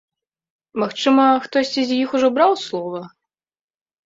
Магчыма, хтосьці з іх ужо браў слова?